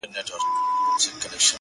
د ارادې قوت د خنډونو قد ټیټوي!